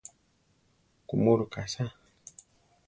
Kuʼmurúka asá!